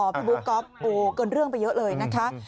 พี่บุ๊คก๊อฟเกินเรื่องไปเยอะเลยนะคะ